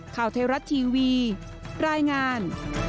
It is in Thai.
ข่าวเทวรัตน์ทีวีรายงาน